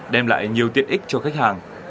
đem lại nhiều tiện ích cho khách hàng